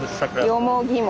よもぎ餅。